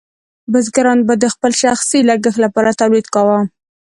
بزګرانو به د خپل شخصي لګښت لپاره تولید کاوه.